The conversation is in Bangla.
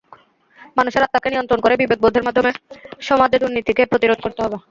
মানুষের আত্মাকে নিয়ন্ত্রণ করে বিবেকবোধের মাধ্যমে সমাজে দুর্নীতিকে প্রতিরোধ করতে হবে।